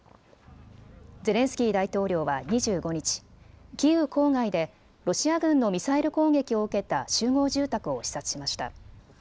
ゼレンスキー大統領は２５日、キーウ郊外でロシア軍のミサイル攻撃を受けた集合住宅を視察しました。